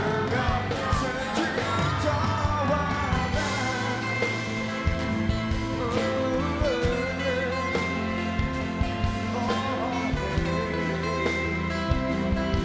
akadah sembilan nya mulai nyanyi semua